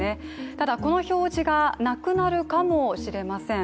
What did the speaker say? ただ、この表示がなくなるかもしれません。